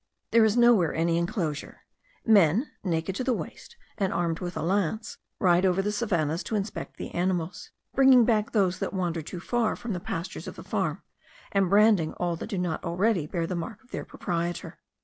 There is nowhere any enclosure; men, naked to the waist and armed with a lance, ride over the savannahs to inspect the animals; bringing back those that wander too far from the pastures of the farm, and branding all that do not already bear the mark of their proprietor.